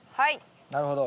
なるほど。